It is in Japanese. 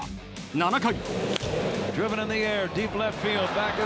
７回。